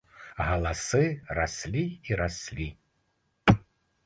А галасы раслі і раслі.